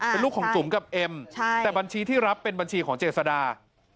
เป็นลูกของจุ๋มกับเอ็มแต่บัญชีที่รับเป็นบัญชีของเจษดา